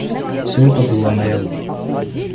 Всё это было наяву.